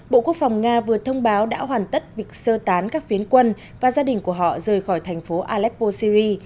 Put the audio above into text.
bộ quốc phòng nga vừa thông báo đã hoàn tất việc sơ tán các phiến quân và gia đình của họ rời khỏi thành phố aleppo syri